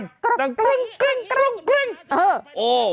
ภาพนี้เป็นหน้า